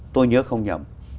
tôi nhớ không nhầm